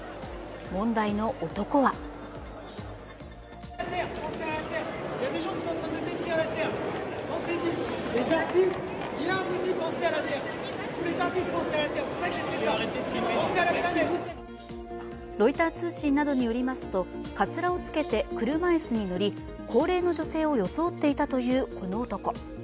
問題の男はロイター通信などによりますと、かつらをつけて車いすに乗り高齢の女性を装っていたというこの男。